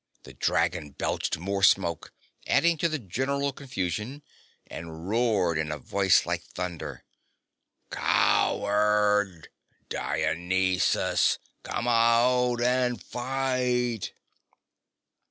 The dragon belched more smoke, adding to the general confusion, and roared in a voice like thunder: "Coward! Dionysus! Come out and fight!"